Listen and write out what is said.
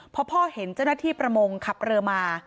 พอพ่อเห็นเจ้าหน้าที่ประมงขับเรือมา